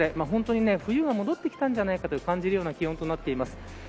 本当に冬が戻ってきたんじゃないかと感じるような気温となっています。